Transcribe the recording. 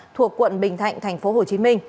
thuộc quận bình thạnh tp hcm